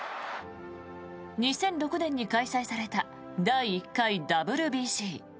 ２００６年に開催された第１回ＷＢＣ。